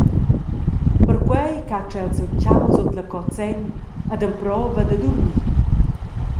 Perquei catscha el siu tgau sut la cozza en ed emprova da durmir.